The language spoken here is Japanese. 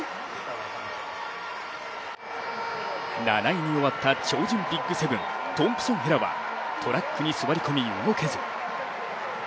７位に終わった超人ＢＩＧ７、トンプソン・ヘラはトラックに座り込み、動けず。